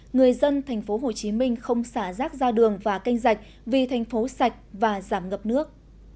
người dân tp hcm không xả rác ra đường và canh rạch vì thành phố sạch và giảm ngập nước